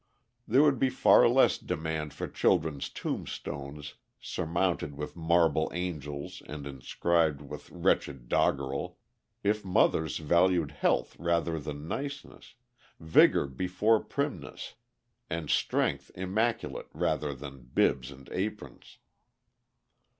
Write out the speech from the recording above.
There would be far less demand for children's tombstones, surmounted with marble angels and inscribed with wretched doggerel, if mothers valued health rather than niceness, vigor before primness, and strength immaculate rather than bibs and aprons.